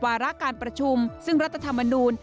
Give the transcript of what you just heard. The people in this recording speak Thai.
วาระการประชุมซึ่งรัฐธรรมนูล